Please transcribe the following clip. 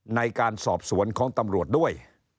ในการสอบสวนของตำรวจด้วย